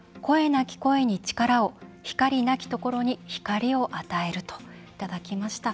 なき声に力を光なきところに光を与えるといただきました。